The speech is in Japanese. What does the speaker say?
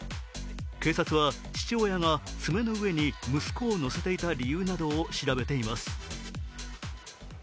警察は父親が爪の上に息子を乗せていた理由などを調べています。